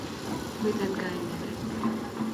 miten gaa inendet